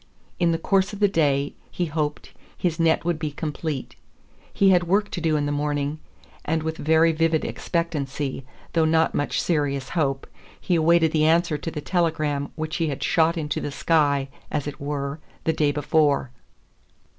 In the course of the day, he hoped, his net would be complete. He had work to do in the morning; and with very vivid expectancy, though not much serious hope, he awaited the answer to the telegram which he had shot into the sky, as it were, the day before.